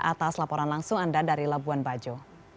atas laporan langsung anda dari labuan bajo